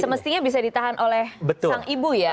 semestinya bisa ditahan oleh sang ibu ya